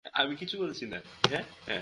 নারীরা সকাল সকাল উঠলে বাড়িতে লক্ষ্মী আসে।